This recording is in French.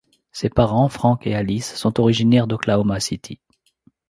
Ses parents, Frank et Alice, sont originaires d'Oklahoma City.